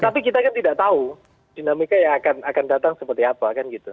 tapi kita kan tidak tahu dinamika yang akan datang seperti apa kan gitu